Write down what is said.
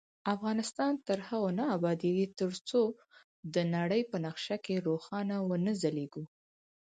افغانستان تر هغو نه ابادیږي، ترڅو د نړۍ په نقشه کې روښانه ونه ځلیږو.